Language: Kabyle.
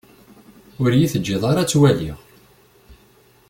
Ur yi-teǧǧiḍ ara ad tt-waliɣ.